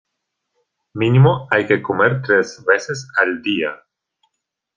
Mínimo hay que comer tres veces al día.